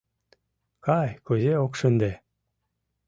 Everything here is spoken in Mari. Кай, кузе ок шынде?